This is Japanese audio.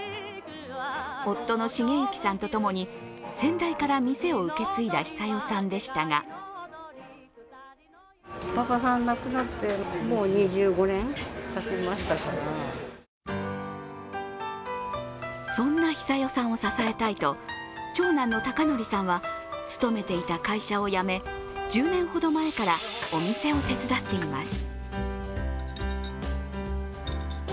夫の茂行さんとともに先代から店を受け継いだ寿代さんでしたがそんな寿代さんを支えたいと、長男の孝紀さんは勤めていた会社を辞め１０年ほど前からお店を手伝っています。